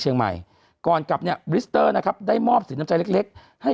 เชียงใหม่ก่อนกลับเนี่ยบริสเตอร์นะครับได้มอบสินน้ำใจเล็กเล็กให้